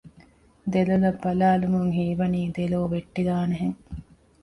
ދެލޮލަށް ބަލާލުމުން ހީވަނީ ދެލޯ ވެއްޓިދާނެ ހެން